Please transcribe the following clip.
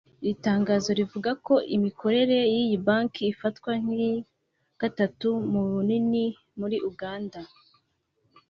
Iri tangazo rivuga ko imikorere y’iyi banki ifatwa nk’iya gatatu mu bunini muri Uganda